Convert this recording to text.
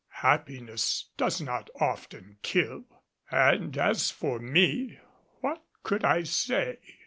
Happiness does not often kill. And as for me, what could I say?